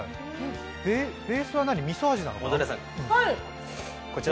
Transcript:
ベースは、みそ味なのかな？